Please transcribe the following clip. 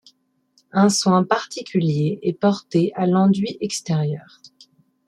Un soin particulier est porté à l'enduit extérieur.